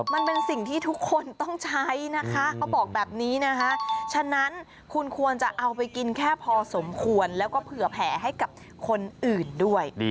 มันเป็นสิ่งที่ทุกคนต้องใช้นะคะเขาบอกแบบนี้นะคะฉะนั้นคุณควรจะเอาไปกินแค่พอสมควรแล้วก็เผื่อแผลให้กับคนอื่นด้วย